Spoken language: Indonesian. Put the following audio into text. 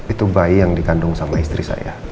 itu bayi yang dikandung sama istri saya